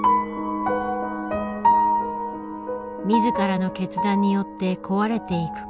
みずからの決断によって壊れていく家族。